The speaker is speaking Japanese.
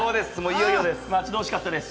いよいよです。